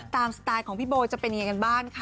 ตามสไตล์ของพี่โบจะเป็นอย่างไรบ้าง